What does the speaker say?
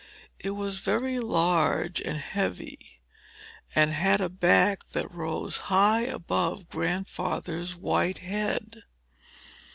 It was very large and heavy, and had a back that rose high above Grandfather's white head.